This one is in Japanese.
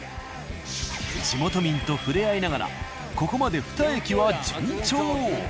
地元民と触れ合いながらここまで２駅は順調。